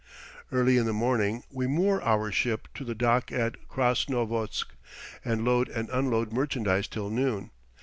Early in the morning we moor our ship to the dock at Krasnovodsk, and load and unload merchandise till noon.